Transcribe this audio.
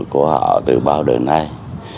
của họ từ bao đời nay